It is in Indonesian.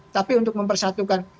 tapi untuk mempersatukan